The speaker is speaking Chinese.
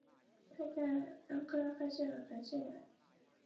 专辑中也收录了几首韩版歌曲。